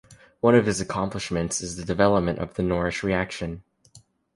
One of his accomplishments is the development of the Norrish reaction.